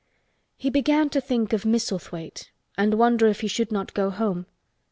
He began to think of Misselthwaite and wonder if he should not go home.